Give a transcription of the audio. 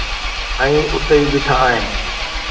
۽ اتي ئي بيٺا آهن.